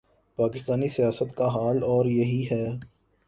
پاکستانی سیاست کا حال اور یہی ہے۔